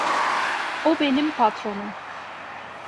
O benim patronum.